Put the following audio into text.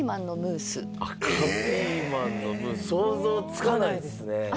赤ピーマンのムース想像つかないっすね